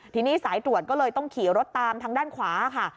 ทีนี้สายตรวจก็เลยต้องขี่รถตามทางด้านขวาค่ะ